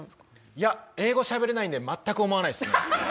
いや英語しゃべれないので全く思わないですね。